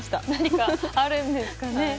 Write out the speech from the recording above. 何かあるんですかね。